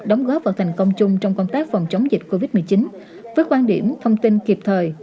đóng góp vào thành công chung trong công tác phòng chống dịch covid một mươi chín với quan điểm thông tin kịp thời